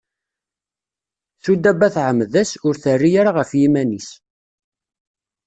Sudaba tɛemmed-as, ur terri ara ɣef yiman-is.